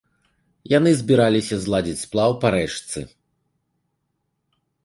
Яны збіраліся зладзіць сплаў па рэчцы.